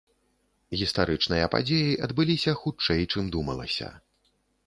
Гістарычныя падзеі адбыліся хутчэй чым думалася.